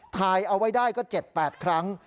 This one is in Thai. ถ่ายเอาไว้ได้ก็๗๘ครั้ง